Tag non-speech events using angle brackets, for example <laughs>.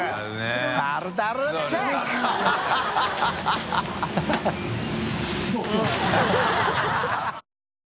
ハハハ <laughs>